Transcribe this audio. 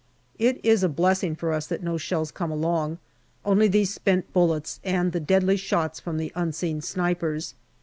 It is a blessing for us that no shells come along, only these spent bullets and the deadly shots from the unseen snipers.